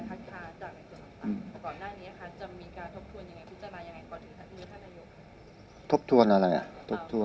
อันนี้ค่ะจะมีการทบทวนยังไงพิจารณายังไงก่อนถึงทัศนียกท่านนโยค